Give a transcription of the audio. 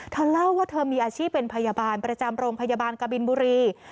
เธอเล่าว่าเธอมีอาชีพเป็นพยาบาลประจำโรงพยาบาลกบินบุรี